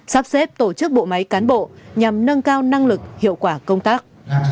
sắp xếp tổ chức bộ máy cán bộ nhằm nâng cao năng lực hiệu quả công tác